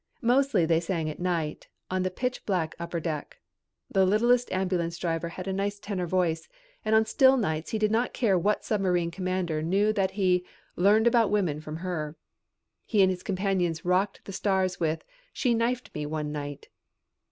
Mostly they sang at night on the pitch black upper deck. The littlest ambulance driver had a nice tenor voice and on still nights he did not care what submarine commander knew that he "learned about women from her." He and his companions rocked the stars with "She knifed me one night."